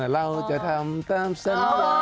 เราจะทำตามสำหรับเธอ